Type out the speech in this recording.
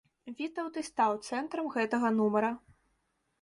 Вітаўт і стаў цэнтрам гэтага нумара.